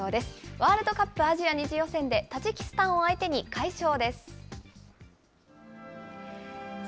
ワールドカップアジア２次予選で、タジキスタンを相手に快勝です。